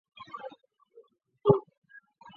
在的代理作品中的甲田写作。